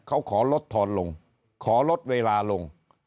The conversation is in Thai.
เขาขอลดทอนลงขอลดเวลาลง